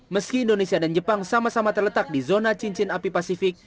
meski indonesia dan jepang sama sama terletak di zona cincin api pasifik